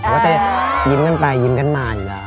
เขาก็จะยิ้มกันไปยิ้มกันมาอยู่แล้ว